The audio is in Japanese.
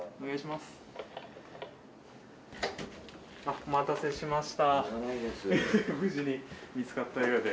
お待たせしました。